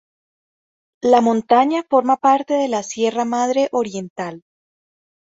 La montaña forma parte de la Sierra Madre Oriental.